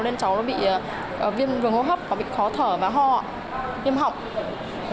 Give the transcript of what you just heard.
nên cháu nó bị viêm vườn hô hấp nó bị khó thở và ho viêm họng